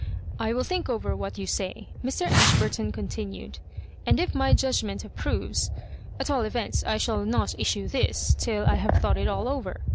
"I will think over what you say," Mr. Ashburton continued ;^ and if my judgment approves At all events I shall not issue M»~till I have thought it all over.